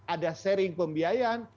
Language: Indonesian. ada sharing pembiayaan